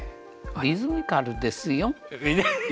リズミカルですよ。